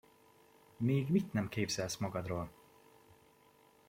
Még mit nem képzelsz magadról!